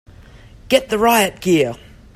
Get the riot gear!